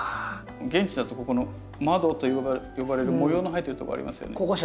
現地だとここの窓と呼ばれる模様の入ってるところありますよね。